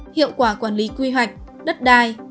hiệu quả quản lý quy hoạch đất đai